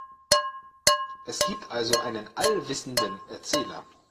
Es gibt also einen allwissenden Erzähler.